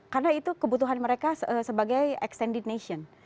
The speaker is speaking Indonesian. karena itu kebutuhan mereka sebagai extended nation